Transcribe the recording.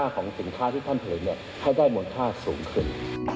ของสินค้าที่ท่านผลิตให้ได้มูลค่าสูงขึ้น